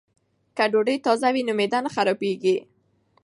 که ډوډۍ تازه وي نو معده نه خرابیږي.